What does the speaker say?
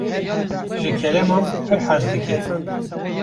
Ji keleman pir hez dike.